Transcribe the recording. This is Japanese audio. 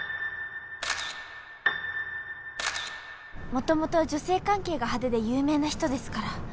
元々女性関係が派手で有名な人ですから。